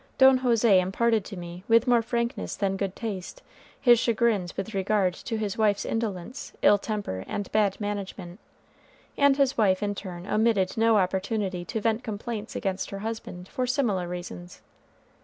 Don José imparted to me with more frankness than good taste his chagrins with regard to his wife's indolence, ill temper, and bad management, and his wife in turn omitted no opportunity to vent complaints against her husband for similar reasons.